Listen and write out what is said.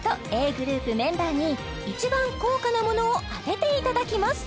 ｇｒｏｕｐメンバーに一番高価なものを当てていただきます！